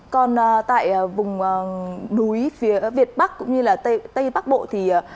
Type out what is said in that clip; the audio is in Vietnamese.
còn tại vùng núi phía việt bắc cũng như là tây bắc bộ thì